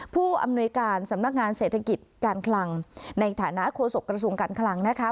ผู้อำนวยการสำนักงานเศรษฐกิจการคลังในฐานะโฆษกระทรวงการคลังนะคะ